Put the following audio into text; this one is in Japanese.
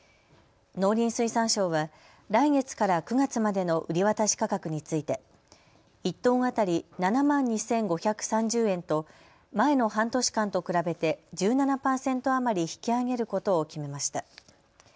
農林水産省は来月から９月までの売り渡し価格について１トン当たり７万２５３０円と前の半年間と比べて１７％余り引き上げることを決めました。